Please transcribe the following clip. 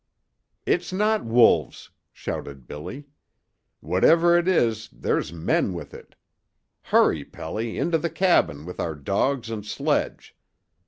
"It's not wolves," shouted Billy. "Whatever it is, there's men with it! Hurry, Pelly, into the cabin with our dogs and sledge!